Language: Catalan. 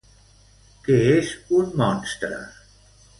Què és un monstre?